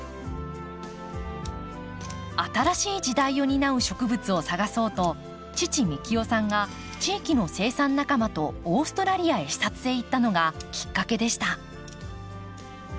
新しい時代を担う植物を探そうと父幹雄さんが地域の生産仲間とオーストラリアへ視察へ行ったのがきっかけでした。